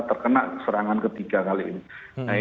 terkena serangan ketiga kali ini